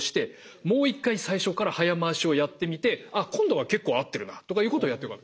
もう一回最初から早回しをやってみて「ああ今度は結構合ってるな」とかいうことをやってるわけです。